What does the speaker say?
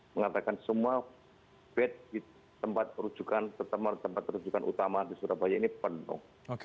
mengatakan semua bed di tempat rujukan tempat rujukan utama di surabaya ini penuh